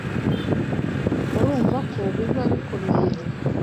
murumva ko biba bikomeye